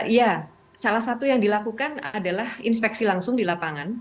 ya salah satu yang dilakukan adalah inspeksi langsung di lapangan